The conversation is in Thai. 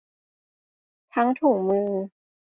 ทั้งถุงมือ